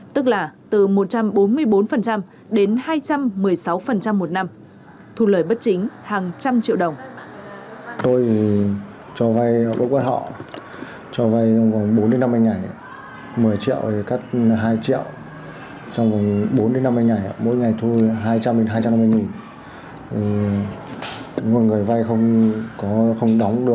tức là từ một trăm bốn mươi bốn đến hai trăm một mươi sáu một năm thu lời bất chính hàng trăm triệu đồng